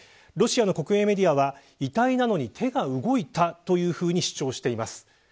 ロシアの国営メディアは遺体なのに手が動いたというふうに主張しています。